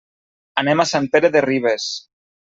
Anem a Sant Pere de Ribes.